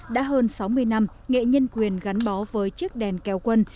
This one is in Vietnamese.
đã hơn sáu mươi năm nghệ nhân quyền gắn bó với chiếc đèn kéo quân